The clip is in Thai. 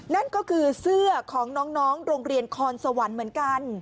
นั่นก็คือเสื้อของน้องโรงเรียนคอนสวรรค์เหมือนกัน